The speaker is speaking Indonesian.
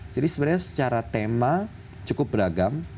jadi sebenarnya secara tema cukup beragam